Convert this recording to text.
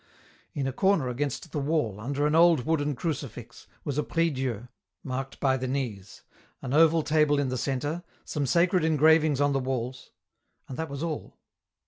In a corner against the wall, under an old wooden crucifix, was a prie dieu, marked by the knees, an oval table in the centre, some sacred engravings on the walls ; and that was all.